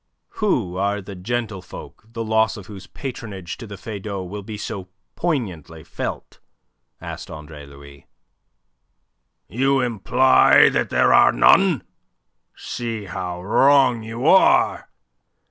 "Who are the gentlefolk the loss of whose patronage to the Feydau will be so poignantly felt?" asked Andre Louis. "You imply that there are none? See how wrong you are.